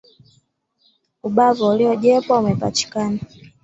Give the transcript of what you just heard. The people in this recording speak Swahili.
Ubavo uliojepwa umepachikana